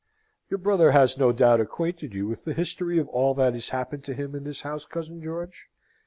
"Your brother has no doubt acquainted you with the history of all that has happened to him in this house, cousin George?"